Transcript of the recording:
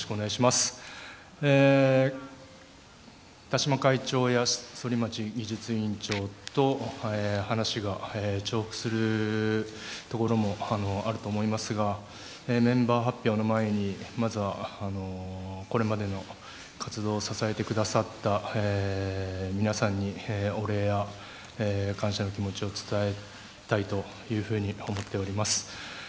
田嶋会長や反町技術委員長と話が重複するところもあると思いますがメンバー発表の前にまずはこれまでの活動を支えてくださった皆さんにお礼や感謝の気持ちを伝えたいと思っております。